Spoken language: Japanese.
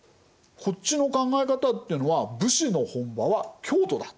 こっちの考え方っていうのは武士の本場は京都だ。